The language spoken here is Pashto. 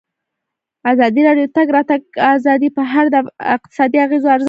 ازادي راډیو د د تګ راتګ ازادي په اړه د اقتصادي اغېزو ارزونه کړې.